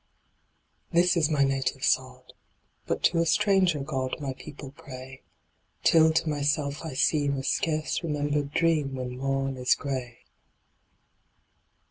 This is my native sod. But to a stranger God My people pray ; Till to myself I seem A scarce remembered dream When morn is gray.